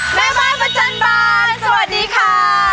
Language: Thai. สวัสดีค่ะ